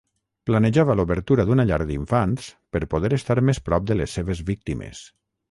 Planejava l'obertura d'una llar d'infants per poder estar més prop de les seves víctimes.